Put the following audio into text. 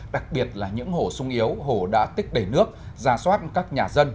đặc biệt là những hồ sung yếu hồ đã tích đầy nước ra soát các nhà dân